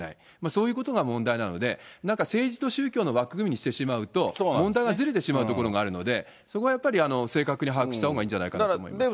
そういうことが問題なので、なんか政治と宗教の枠組みにしてしまうと、問題がずれてしまうところがあるので、そこはやっぱり正確に把握したほうがいいんじゃないかと思います。